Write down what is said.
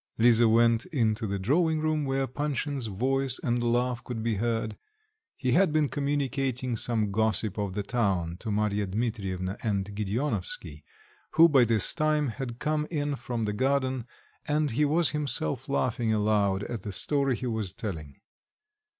Lisa went into the drawing room, where Panshin's voice and laugh could be heard; he had been communicating some gossip of the town to Marya Dmitrievna, and Gedeonovksy, who by this time had come in from the garden, and he was himself laughing aloud at the story he was telling.